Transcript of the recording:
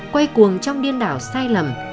quay cuồng trong điên đảo sai lầm